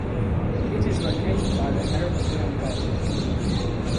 It is located by the Ambracian Gulf.